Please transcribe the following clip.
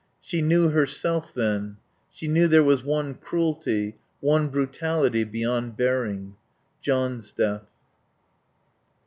She knew herself then; she knew there was one cruelty, one brutality beyond bearing, John's death.